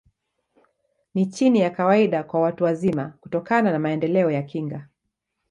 Ni chini ya kawaida kwa watu wazima, kutokana na maendeleo ya kinga.